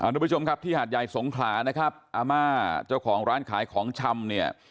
ทุกผู้ชมครับที่หาดใหญ่สงขลานะครับอาม่าเจ้าของร้านขายของชำเนี่ย